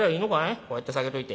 こうやって下げといて。